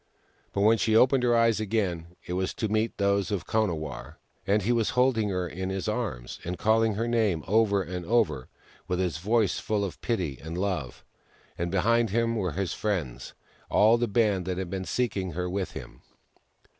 But when she opened her eyes again, it was to meet those of Konawarr ; and he was holding her in his arms and calling her name over and over, with his voice full of pity and love ; and behind him were his friends — all the band who had been seeking her with him.